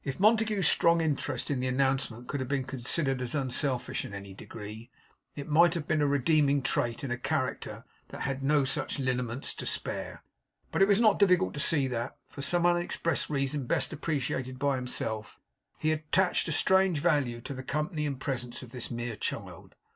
If Montague's strong interest in the announcement could have been considered as unselfish in any degree, it might have been a redeeming trait in a character that had no such lineaments to spare. But it was not difficult to see that, for some unexpressed reason best appreciated by himself, he attached a strange value to the company and presence of this mere child.